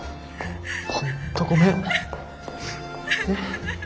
本当ごめん。